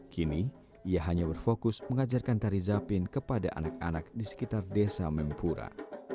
kini ia hanya berfokus mengajarkan tari zapin kepada anak anak di sekitar desa mempura